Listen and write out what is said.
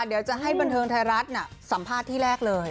เดี๋ยวจะให้บันเทิงไทยรัฐสัมภาษณ์ที่แรกเลย